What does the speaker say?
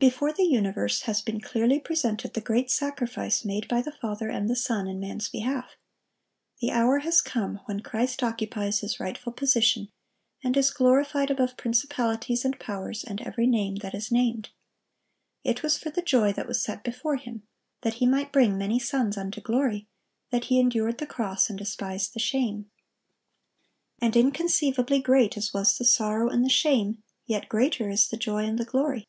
Before the universe has been clearly presented the great sacrifice made by the Father and the Son in man's behalf. The hour has come when Christ occupies His rightful position, and is glorified above principalities and powers and every name that is named. It was for the joy that was set before Him,—that He might bring many sons unto glory,—that He endured the cross and despised the shame. And inconceivably great as was the sorrow and the shame, yet greater is the joy and the glory.